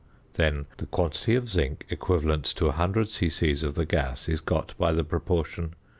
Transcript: Then the quantity of zinc equivalent to 100 c.c. of the gas is got by the proportion.